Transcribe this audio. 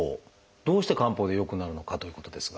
どうして漢方で良くなるのかということですが。